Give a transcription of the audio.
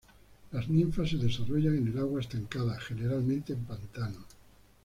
Las ninfas se desarrollan en el agua estancada, generalmente en pantanos.